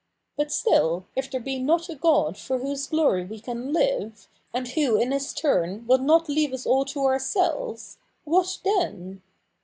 But still, if there be not a God for whose glory we can live, and who in his turn will not leaye us all to ourselves, what then